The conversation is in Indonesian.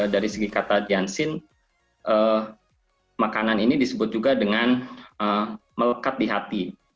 dari segi kata jansin makanan ini disebut juga dengan melekat di hati